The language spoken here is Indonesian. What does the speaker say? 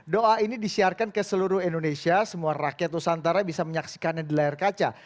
doa ini disiarkan ke seluruh indonesia semua rakyat nusantara bisa menyaksikannya di layar kaca